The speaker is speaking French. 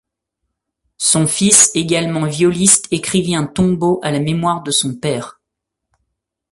Son fils, également violiste écrivit un tombeau à la mémoire de son père.